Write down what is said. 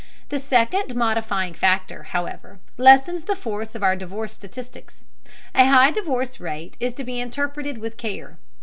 The second modifying factor, however, lessens the force of our divorce statistics. A high divorce rate is to be interpreted with care.